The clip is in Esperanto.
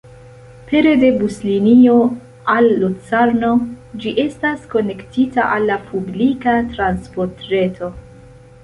Pere de buslinio al Locarno, ĝi estas konektita al la publika transportreto.